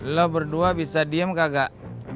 lo berdua bisa diem kakak